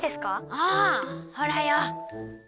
ああほらよ。